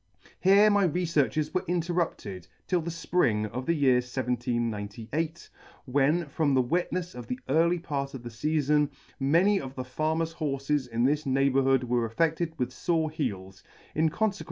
Here my refearches were interrupted till the fpring of the year 1798, when from the wetnefs of the early part of the feafon, many of the farmers* horfes in this neighbourhood were affected with fore heels, in confequer.